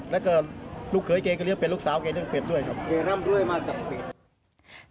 แล้วก็ลูกเคยเคยเลี้ยงเป็ดลูกสาวเคยเลี้ยงเป็ดด้วยครับ